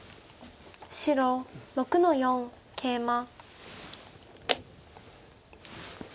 白６の四ケイマ。